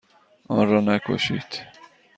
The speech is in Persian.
آن را نکشید.